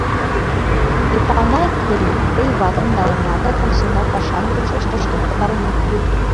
Эпанай Кори, тый ватым налынат да комсомол пашам йӧршеш тошкен пытаренат.